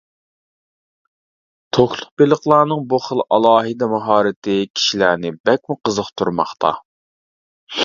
توكلۇق بېلىقلارنىڭ بۇ خىل ئالاھىدە ماھارىتى كىشىلەرنى بەكمۇ قىزىقتۇرماقتا.